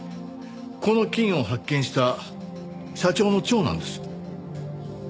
この菌を発見した社長の長男です。